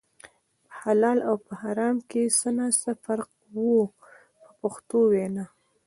په حلال او په حرام کې نه څه فرق و په پښتو وینا.